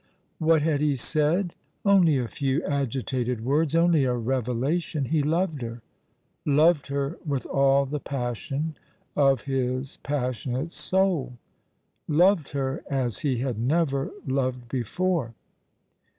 What had he said ? Only a few agitated words — only a revelation. He loved her, loved her with all the passion of his passionate soul ; loved her as he had never loved before.